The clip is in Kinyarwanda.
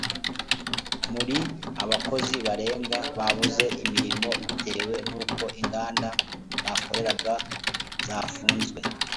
muri mynmar, abakozi barenga , babuze imirimo bitewe n' uko inganda bakoreraga zafunzwe